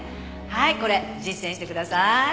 はいこれ実践してください」